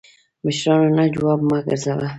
مشرانو ته جواب مه ګرځوه